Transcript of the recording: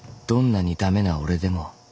［どんなに駄目な俺でも］